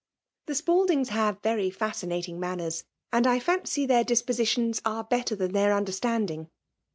The Spal dings have very fascinating manners, and I fimcy their cEspositions are better than their understanding.